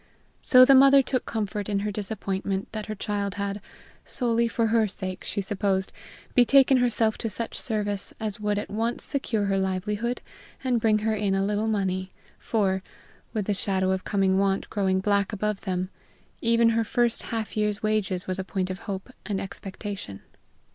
So the mother took comfort in her disappointment that her child had, solely for her sake, she supposed, betaken herself to such service as would at once secure her livelihood and bring her in a little money, for, with the shadow of coming want growing black above them, even her first half year's wages was a point of hope and expectation.